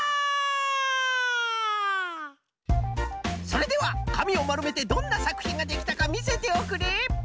それではかみをまるめてどんなさくひんができたかみせておくれ！